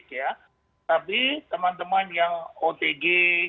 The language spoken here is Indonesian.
tapi teman teman yang otg